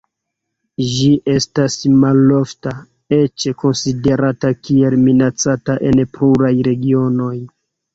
Ĝi estas malofta, eĉ konsiderata kiel minacata en pluraj regionoj.